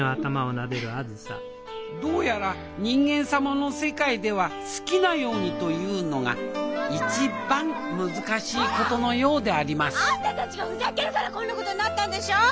どうやら人間様の世界では好きなようにというのが一番難しいことのようでありますあんたたちがふざけるからこんなことになったんでしょう！